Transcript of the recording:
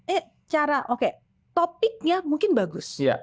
eh cara oke topiknya mungkin bagus